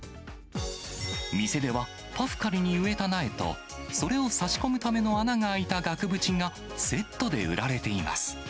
店ではパフカルに植えた苗と、それを差し込むための穴が開いた額縁がセットで売られています。